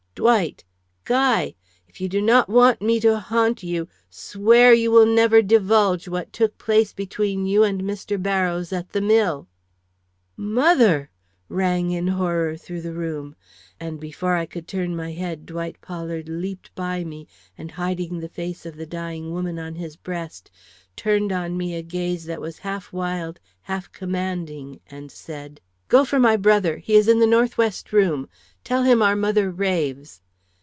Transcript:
"Dwight! Guy! If you do not want me to haunt you, swear you will never divulge what took place between you and Mr. Barrows at the mill." "Mother!" rang in horror through the room. And before I could turn my head, Dwight Pollard leaped by me, and hiding the face of the dying woman on his breast, turned on me a gaze that was half wild, half commanding, and said: "Go for my brother! He is in the northwest room. Tell him our mother raves."